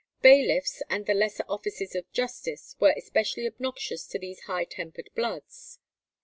Bailiffs and the lesser officers of justice were especially obnoxious to these high tempered bloods.